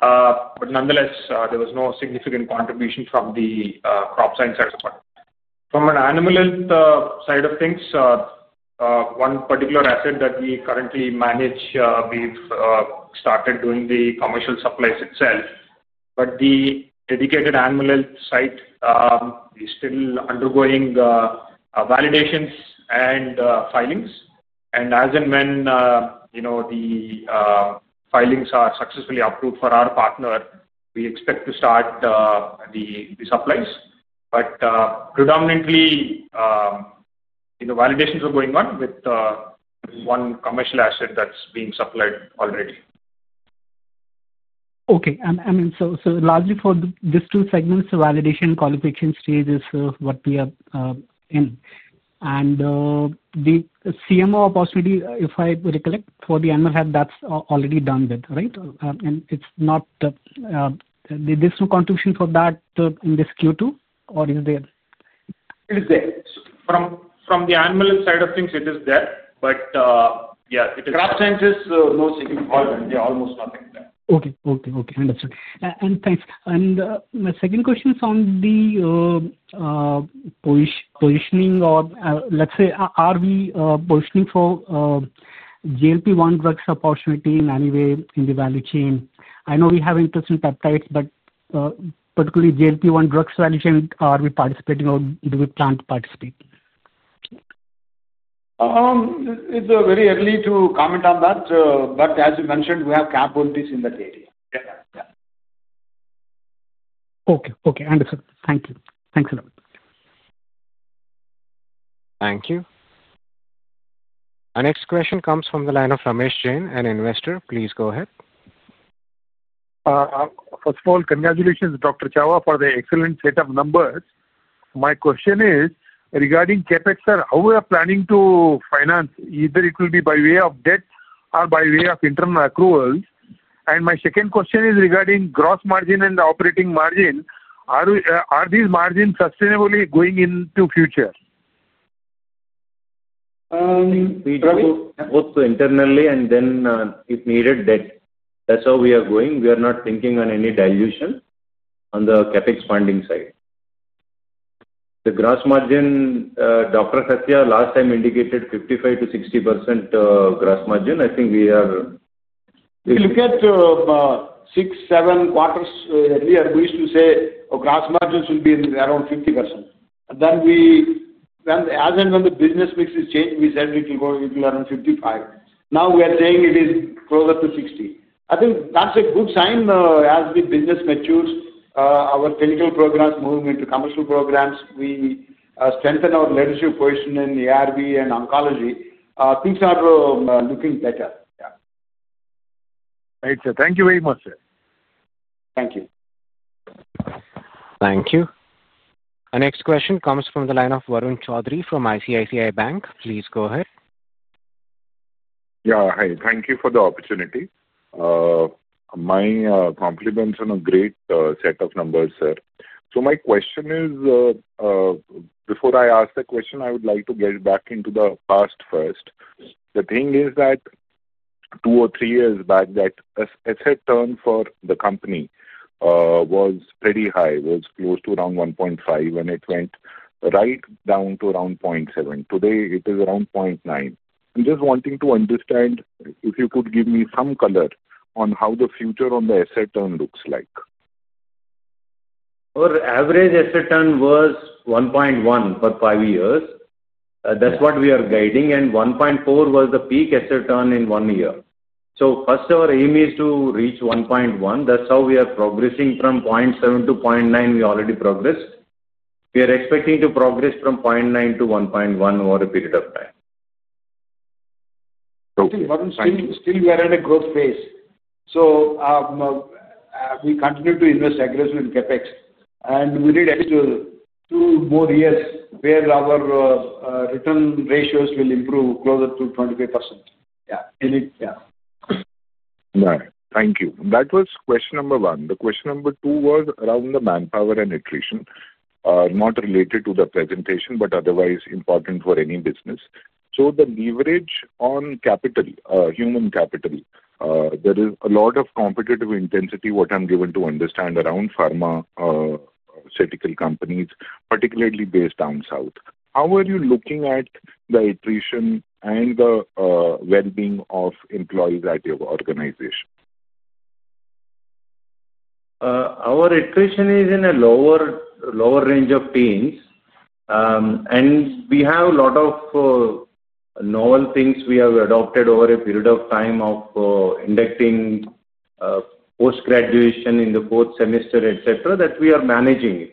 Nonetheless, there was no significant contribution from the crop science side of the part. From an animal health side of things, one particular asset that we currently manage, we've started doing the commercial supplies itself. The dedicated animal health site is still undergoing validations and filings. As and when the filings are successfully approved for our partner, we expect to start the supplies. Predominantly, validations are going on with one commercial asset that's being supplied already. Okay. So largely for these two segments, the validation and qualification stage is what we are in. The CMO opportunity, if I recollect, for the animal health, that's already done with, right? It's not, there's no contribution for that in this Q2, or is there? It is there. From the animal health side of things, it is there. However, crop science is mostly involved, and there's almost nothing there. Okay. Understood. Thanks. My second question is on the positioning or, let's say, are we positioning for GLP-1 drugs opportunity in any way in the value chain? I know we have interest in peptides, but particularly GLP-1 drugs value chain, are we participating or do we plan to participate? It's very early to comment on that, but as you mentioned, we have capabilities in that area. Yeah. Okay. Understood. Thank you. Thanks a lot. Thank you. Our next question comes from the line of Ramesh Jain, an investor. Please go ahead. First of all, congratulations, Dr. Chava, for the excellent set of numbers. My question is regarding CapEx, sir, how we are planning to finance? Either it will be by way of debt or by way of internal accruals. My second question is regarding gross margin and the operating margin. Are these margins sustainably going into the future? We try to host internally, and then if needed, debt. That's how we are going. We are not thinking on any dilution on the CapEx funding side. The gross margin, Dr. Satya last time indicated 55%-60% gross margin. I think we are. If you look at six, seven quarters earlier, we used to say gross margins will be around 50%. Then, as and when the business mix is changed, we said it will go around 55%. Now we are saying it is closer to 60%. I think that's a good sign. As the business matures, our clinical programs move into commercial programs. We strengthen our leadership position in ARV and oncology. Things are looking better. Yeah. Right, sir. Thank you very much, sir. Thank you. Thank you. Our next question comes from the line of Varun Chaudhary from ICICI Bank. Please go ahead. Yeah. Hi. Thank you for the opportunity. My compliments on a great set of numbers, sir. My question is, before I ask the question, I would like to get back into the past first. The thing is that two or three years back, that asset turn for the company was pretty high. It was close to around 1.5x, and it went right down to around 0.7x. Today, it is around 0.9x. I'm just wanting to understand if you could give me some color on how the future on the asset turn looks like. Our average asset turn was 1.1x for five years. That's what we are guiding. 1.4x was the peak asset turn in one year. Our aim is to reach 1.1x. That's how we are progressing from 0.7x to 0.9x. We already progressed. We are expecting to progress from 0.9x to 1.1x over a period of time. Still, we are in a growth phase. We continue to invest aggressively in CapEx, and we need extra two more years where our return ratios will improve closer to 25%. Right. Thank you. That was question number one. The question number two was around the manpower and attrition, not related to the presentation, but otherwise important for any business. The leverage on capital, human capital, there is a lot of competitive intensity, what I'm given to understand around pharma, surgical companies, particularly based down south. How are you looking at the attrition and the well-being of employees at your organization? Our attrition is in a lower range of pains, and we have a lot of novel things we have adopted over a period of time, of inducting post-graduation in the fourth semester, etc., that we are managing it.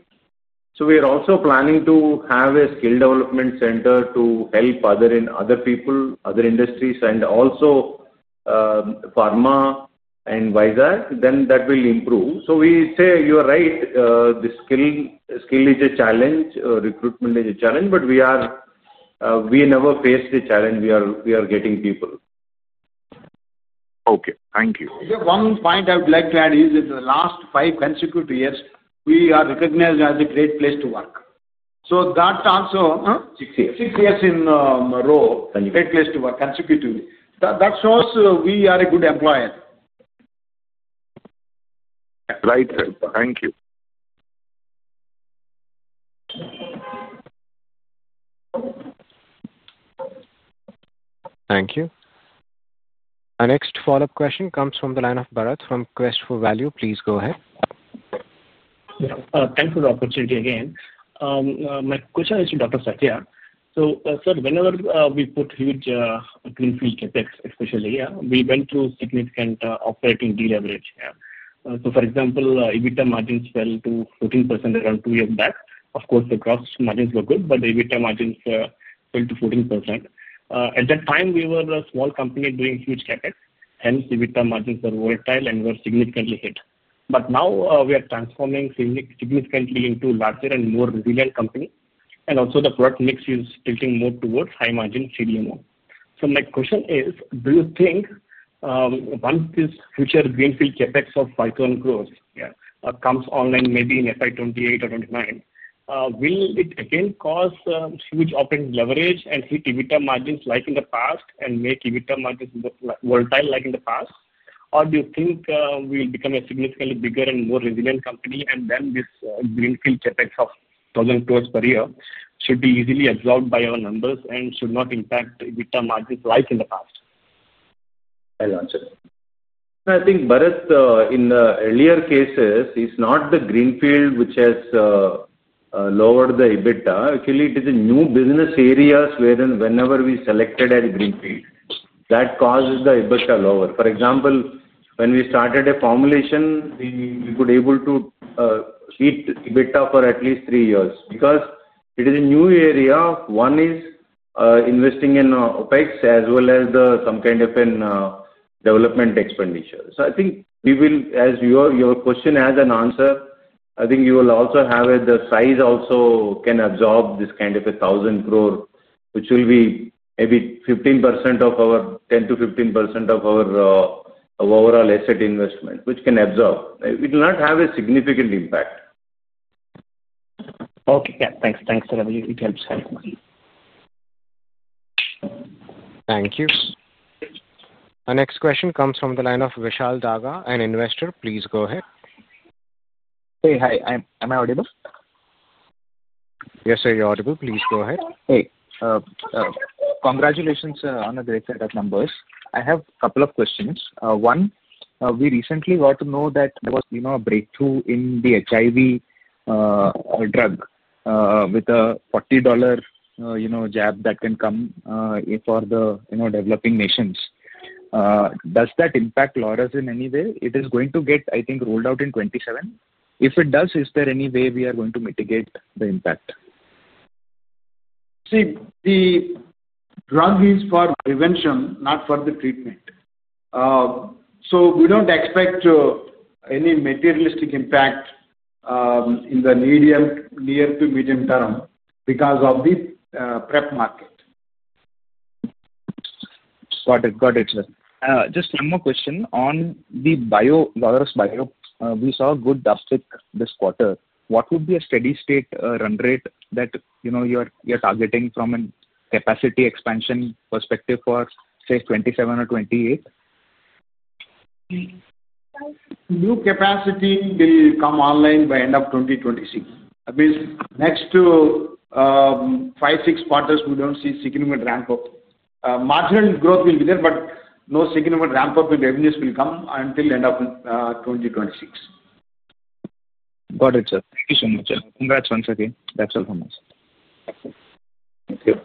We are also planning to have a skill development center to help other people, other industries, and also pharma in Vizag. That will improve. You are right, the skill is a challenge. Recruitment is a challenge. We never faced a challenge. We are getting people. Okay. Thank you. One point I would like to add is that in the last five consecutive years, we are recognized as a great place to work. That's also. Six years. Six years in a row. Thank you. Great place to work consecutively. That shows we are a good employer. Right. Thank you. Thank you. Our next follow-up question comes from the line of Bharat from Quest for Value. Please go ahead. Thanks for the opportunity again. My question is to Dr. Satya. So, sir, whenever we put huge greenfield CapEx, especially, yeah, we went through significant operating deleverage. For example, EBITDA margins fell to 14% around two years back. Of course, the gross margins were good, but the EBITDA margins fell to 14%. At that time, we were a small company doing huge CapEx. Hence, EBITDA margins were volatile and were significantly hit. Now we are transforming significantly into larger and more resilient companies. Also, the product mix is tilting more towards high-margin CDMO. My question is, do you think, once this future greenfield CapEx of INR 500-INR 1,000 crores comes online, maybe in FY 2028 or 2029, will it again cause huge operating leverage and hit EBITDA margins like in the past and make EBITDA margins more volatile like in the past? Do you think we will become a significantly bigger and more resilient company? Then this greenfield CapEx of 1,000 crores per year should be easily absorbed by our numbers and should not impact EBITDA margins like in the past. I got you. I think Bharat, in the earlier cases, it is not the greenfield which has lowered the EBITDA. Actually, it is a new business area where and whenever we selected as greenfield, that causes the EBITDA lower. For example, when we started a formulation, we were able to hit EBITDA for at least three years because it is a new area. One is investing in OpEx as well as some kind of a development expenditure. I think as your question has an answer, I think you will also have the size also can absorb this kind of a 1,000 crore, which will be maybe 10%-15% of our overall asset investment, which can absorb. It will not have a significant impact. Okay. Yeah, thanks. Thanks, sir. It helps us. Thank you. Our next question comes from the line of Vishal Daga, an investor. Please go ahead. Hi. Am I audible? Yes, sir. You're audible. Please go ahead. Hey. Congratulations on a great set of numbers. I have a couple of questions. One, we recently got to know that there was a breakthrough in the HIV drug with a $40 jab that can come for the developing nations. Does that impact Laurus in any way? It is going to get, I think, rolled out in 2027. If it does, is there any way we are going to mitigate the impact? The drug is for prevention, not for the treatment. We don't expect any materialistic impact in the near to medium term because of the PrEP market. Got it. Got it, sir. Just one more question. On the Laurus Bio, we saw a good uptick this quarter. What would be a steady state run rate that you know you're targeting from a capacity expansion perspective for, say, 2027 or 2028? New capacity will come online by the end of 2026. That means next five, six quarters, we don't see significant ramp-up. Marginal growth will be there, but no significant ramp-up in revenues will come until the end of 2026. Got it, sir. Thank you so much, sir. Congrats once again. That's all from us. Thank you.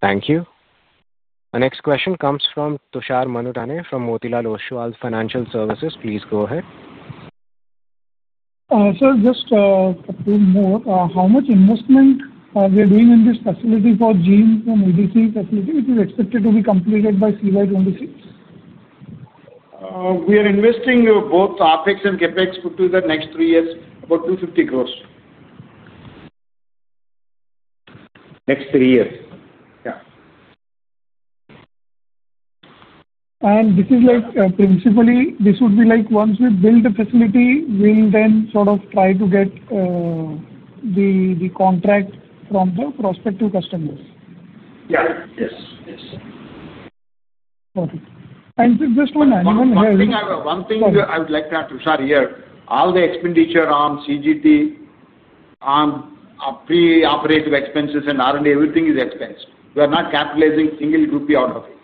Thank you. Our next question comes from Tushar Manudhane from Motilal Oswal Financial Services. Please go ahead. Sir, just a couple more. How much investment are we doing in this facility for gene and ADC facility? It is expected to be completed by CY 2026. We are investing both OpEx and CapEx for the next three years, about 250 crore. Next three years, yeah. Principally, this would be like once we build the facility, we'll then sort of try to get the contract from the prospective customers. Yes. Yes. Yes. Got it. Just one annual health. One thing I would like to add to, sir, here, all the expenditure on cell and gene therapy, on preoperative expenses, and R&D, everything is expense. We are not capitalizing single rupee out of it.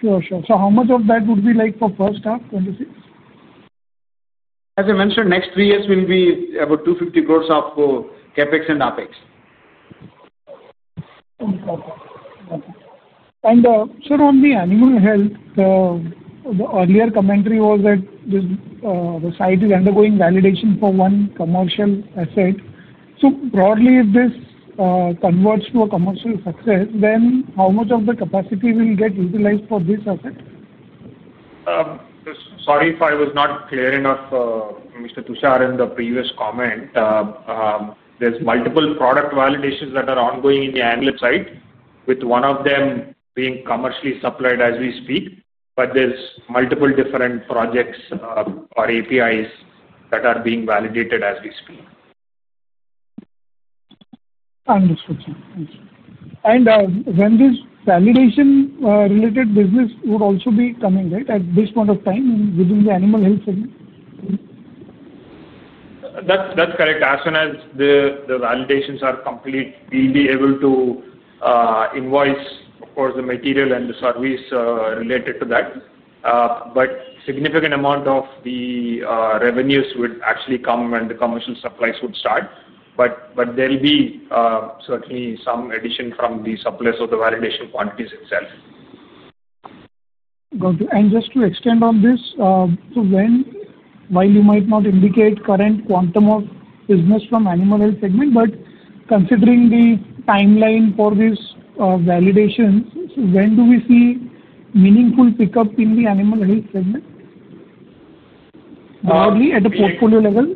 Sure. How much of that would be for first half 2026? As I mentioned, next three years will be about 250 crore of CapEx and OpEx. On the animal health, the earlier commentary was that the site is undergoing validation for one commercial asset. If this converts to a commercial success, then how much of the capacity will get utilized for this asset? Sorry if I was not clear enough, Mr. Tushar, in the previous comment. There are multiple product validations that are ongoing in the animal health site, with one of them being commercially supplied as we speak. There are multiple different projects or Active Pharmaceutical Ingredients that are being validated as we speak. Understood, sir. Thank you. When this validation-related business would also be coming at this point of time within the animal health segment? That's correct. As soon as the validations are complete, we'll be able to invoice, of course, the material and the service related to that. A significant amount of the revenues would actually come when the commercial supplies would start. There'll be certainly some addition from the suppliers of the validation quantities itself. Got it. Just to extend on this, while you might not indicate current quantum of business from the animal health segment, considering the timeline for this validation, when do we see meaningful pickup in the animal health segment broadly at the portfolio level?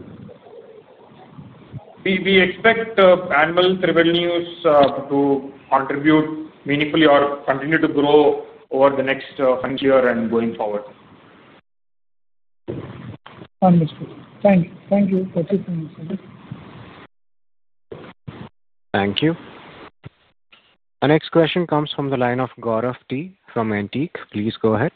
We expect animal revenues to contribute meaningfully and continue to grow over the next fiscal year and going forward. Understood. Thank you. Thank you for the information. Thank you. Our next question comes from the line of Gaurav T. from Antique. Please go ahead.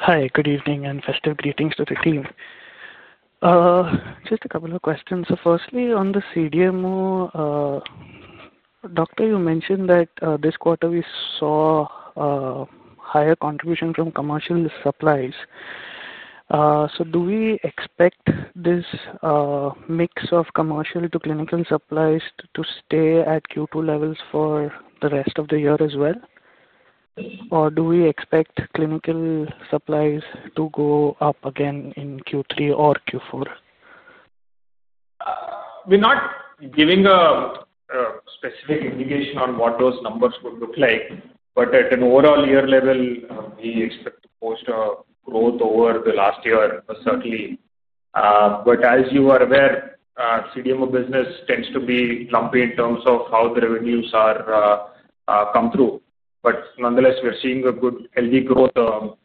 Hi. Good evening and festive greetings to the team. Just a couple of questions. Firstly, on the CDMO, Doctor, you mentioned that this quarter we saw a higher contribution from commercial supplies. Do we expect this mix of commercial to clinical supplies to stay at Q2 levels for the rest of the year as well? Do we expect clinical supplies to go up again in Q3 or Q4? We're not giving a specific indication on what those numbers would look like. At an overall year level, we expect to post a growth over the last year, certainly. As you are aware, CDMO business tends to be lumpy in terms of how the revenues come through. Nonetheless, we're seeing a good healthy growth,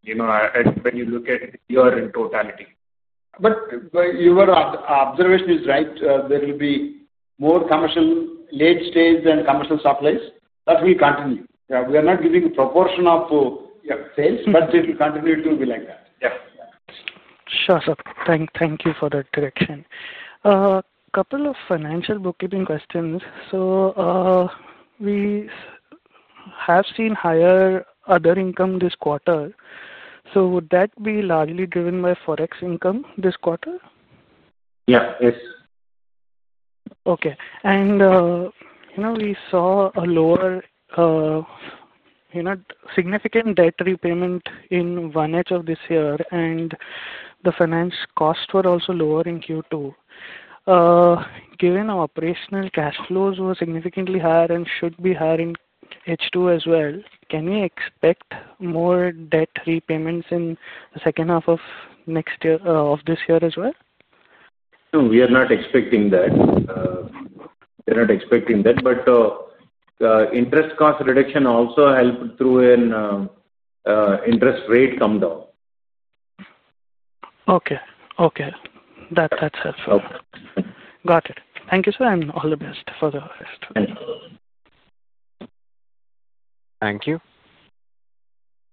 you know, when you look at the year in totality. Your observation is right. There will be more commercial late stage and commercial supplies that will continue. We are not giving a proportion of sales, but it will continue to be like that. Sure, sir. Thank you for that direction. A couple of financial bookkeeping questions. We have seen higher other income this quarter. Would that be largely driven by forex income this quarter? Yeah. Yes. Okay. You know we saw a lower, significant debt repayment in one edge of this year, and the financial costs were also lower in Q2. Given our operational cash flows were significantly higher and should be higher in H2 as well, can we expect more debt repayments in the second half of this year as well? No, we are not expecting that. We are not expecting that. Interest cost reduction also helped through an interest rate come down. Okay. That's helpful. Got it. Thank you, sir, and all the best for the rest. Thank you. Thank you.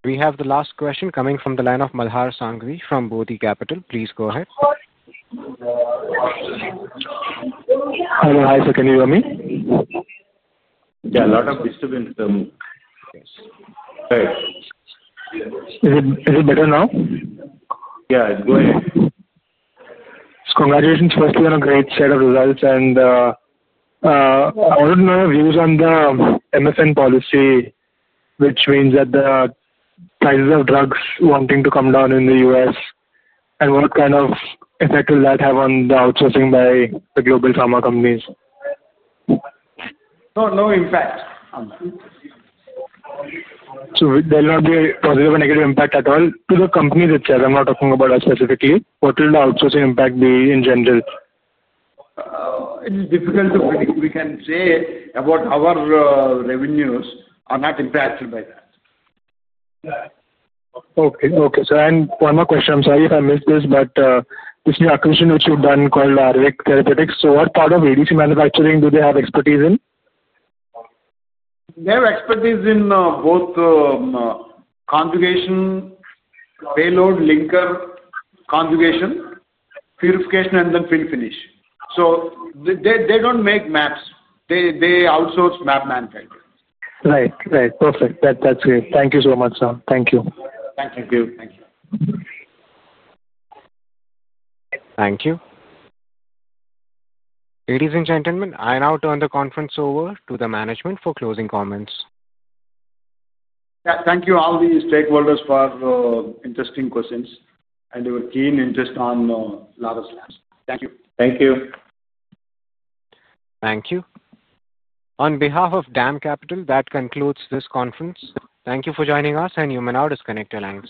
We have the last question coming from the line of Malhar Sangri from Bodhi Capital. Please go ahead. Hello. Hi, sir. Can you hear me? Yeah, a lot of disturbance. Is it better now? Yeah, go ahead. Congratulations. Firstly, on a great set of results. I wanted to know your views on the MSN policy, which means that the kinds of drugs wanting to come down in the U.S., and what kind of effect will that have on the outsourcing by the global pharma companies? No, no impact. There'll not be a positive or negative impact at all to the companies itself? I'm not talking about us specifically. What will the outsourcing impact be in general? It is difficult to predict. We can say our revenues are not impacted by that. Okay. Okay. One more question. I'm sorry if I missed this, but this new acquisition which you've done called Aarvik Therapeutics, what part of ADC manufacturing do they have expertise in? They have expertise in both conjugation, payload, linker, conjugation, purification, and then fill finish. They don't make mAbs. They outsource mAb manufacturing. Right. Right. Perfect. That's great. Thank you so much, sir. Thank you. Thank you. Thank you. Thank you. Ladies and gentlemen, I now turn the conference over to the management for closing comments. Thank you all these stakeholders for interesting questions. They were keen interest on Laurus Labs. Thank you. Thank you. Thank you. On behalf of DAM Capital, that concludes this conference. Thank you for joining us, and you may now disconnect your lines.